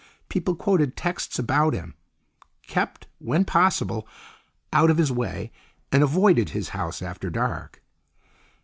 People quoted texts about him; kept when possible out of his way, and avoided his house after dark.